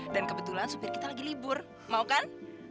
dan kebetulan supir kita lagi libur mau kan